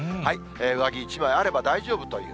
上着１枚あれば大丈夫という。